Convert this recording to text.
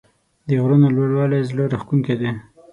د غرونو لوړوالی زړه راښکونکی دی.